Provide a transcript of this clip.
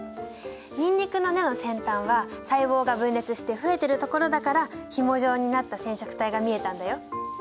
ニンニクの根の先端は細胞が分裂して増えてるところだからひも状になった染色体が見えたんだよ。